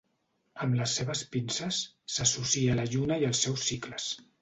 Amb les seves pinces, s'associa a la lluna i els seus cicles.